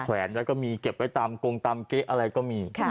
แวนไว้ก็มีเก็บไว้ตามกงตามเก๊ะอะไรก็มี